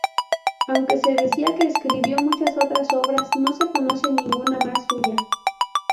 Aunque se decía que escribió muchas otras obras, no se conoce ninguna más suya.